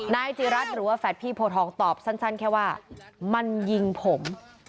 นายจิรัตน์หรือว่าแฝดพี่โพทองตอบสั้นแค่ว่ามันยิงผม